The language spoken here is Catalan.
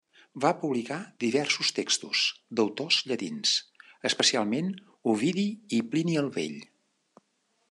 Va publicar diversos textos d'autors llatins, especialment Ovidi i Plini el Vell.